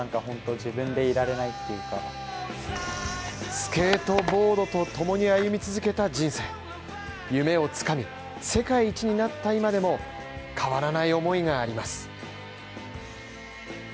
スケートボードと共に歩み続けた人生夢をつかみ、世界一になった今でも変わらない思いがあります。